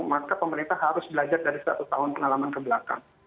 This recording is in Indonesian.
maka pemerintah harus belajar dari seratus tahun pengalaman ke belakang